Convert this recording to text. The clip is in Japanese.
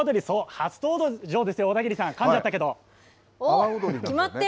初登場ですよ小田切さんかんじゃったけど。